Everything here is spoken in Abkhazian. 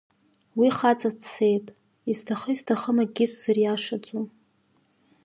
Уи хаҵа дцеит, исҭахы-исҭахым акгьы сзыриашаӡом.